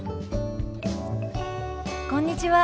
こんにちは。